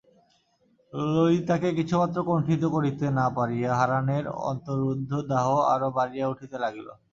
ললিতাকে কিছুমাত্র কুণ্ঠিত করিতে না পারিয়া হারানের অন্তররুদ্ধ দাহ আরো বাড়িয়া উঠিতে লাগিল।